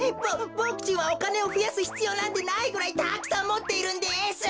ボボクちんはおかねをふやすひつようなんてないぐらいたくさんもっているんです！